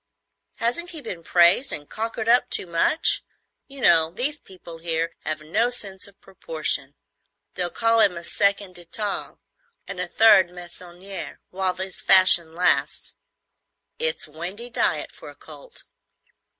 Hasn't he been praised and cockered up too much? You know these people here have no sense of proportion. They'll call him a second Detaille and a third hand Meissonier while his fashion lasts. It's windy diet for a colt."